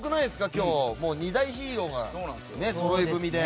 今日は２大ヒーローがそろい踏みで。